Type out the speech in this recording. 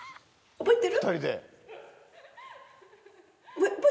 覚えてる？